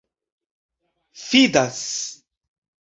fidas